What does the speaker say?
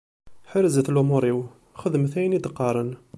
Ḥerzet lumuṛ-iw, xeddmet ayen i d-qqaren.